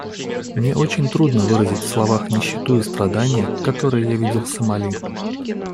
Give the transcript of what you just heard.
Мне очень трудно выразить в словах нищету и страдания, которые я видел в Сомали.